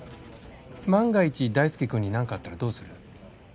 万が一大輔君に何かあったらどうする？